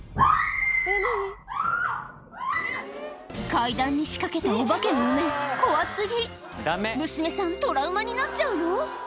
階段に仕掛けたお化けのお面怖過ぎ娘さんトラウマになっちゃうよ